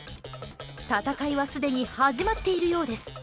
戦いはすでに始まっているようです。